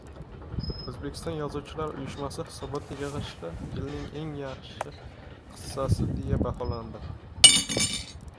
O‘zbekiston Yozuvchilar Uyushmasi hisobot yig‘ilishida yilning eng yaxshi qissasi, deya baholandi.